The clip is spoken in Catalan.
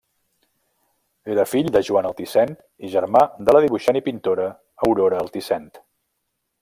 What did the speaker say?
Era fill de Joan Altisent i germà de la dibuixant i pintora Aurora Altisent.